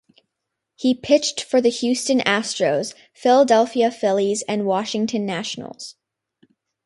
He pitched for the Houston Astros, Philadelphia Phillies and Washington Nationals.